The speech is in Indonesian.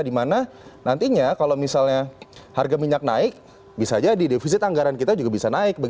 dimana nantinya kalau misalnya harga minyak naik bisa jadi defisit anggaran kita juga bisa naik